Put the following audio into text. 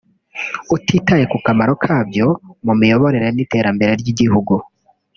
utitaye ku kamaro kabyo mu miyoborere n’iterambere ry’igihugu